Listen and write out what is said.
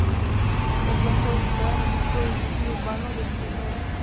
Se encuentra ubicada en el centro del núcleo urbano de Villeneuve.